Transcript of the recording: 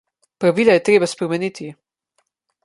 Pravila je treba spremeniti.